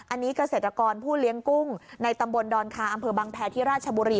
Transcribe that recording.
อันนี้เกษตรกรผู้เลี้ยงกุ้งในตำบลดอนคาอำเภอบังแพรที่ราชบุรี